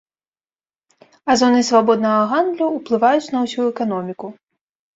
А зоны свабоднага гандлю ўплываюць на ўсю эканоміку.